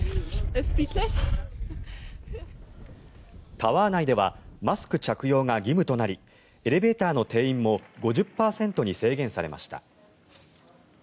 タワー内ではマスク着用が義務となりエレベーターの定員も５０％に制限されました。